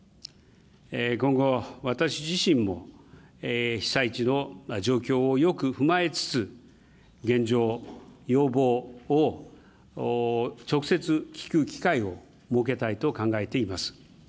今後、私自身も被災地の状況をよく踏まえつつ、現状、要望を直接聞く機会を設けたいと考えています。